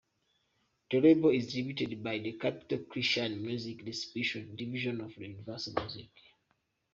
The label is distributed by Capitol Christian Music Distribution, a division of Universal Music.